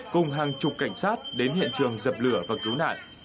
cùng hàng chục cảnh sát đến hiện trường dập lửa và cứu nạn